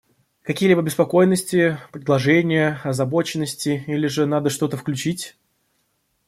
Какие-либо обеспокоенности, предложения, озабоченности, или же надо что-то включить?